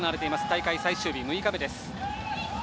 大会最終日、６日目です。